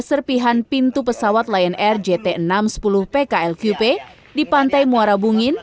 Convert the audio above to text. serpihan pintu pesawat lion air jt enam ratus sepuluh pklqp di pantai muara bungin